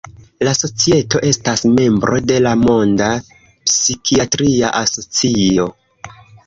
La Societo estas membro de la Monda Psikiatria Asocio.